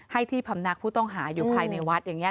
ที่พำนักผู้ต้องหาอยู่ภายในวัดอย่างนี้